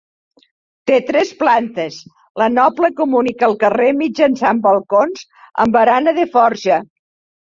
Té tres plantes, la noble comunica amb el carrer mitjançant balcons amb barana de forja.